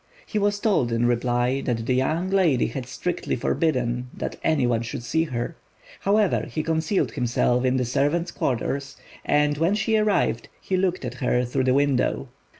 He was told in reply that the young lady had strictly forbidden that any one should see her; however, he concealed himself in the servants' quarters, and when she arrived he looked at her through the window.